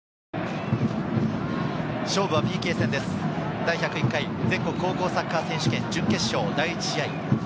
第１０１回全国高校サッカー選手権、準決勝第１試合。